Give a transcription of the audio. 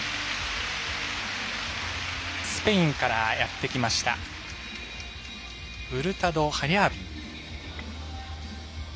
スペインからやってきましたウルタドハリャービン。